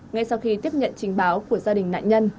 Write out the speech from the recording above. ngay sau khi tiếp nhận trình báo của gia đình nạn nhân